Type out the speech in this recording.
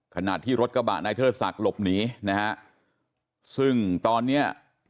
ขณะที่รถกระบะนายเทิดศักดิ์หลบหนีนะฮะซึ่งตอนเนี้ย